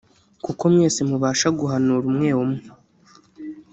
kuko mwese mubasha guhanura umwe umwe